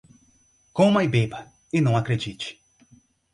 Coma e beba, e não acredite.